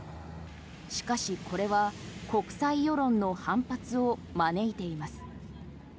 しかし、これは国際世論の反発を招いています。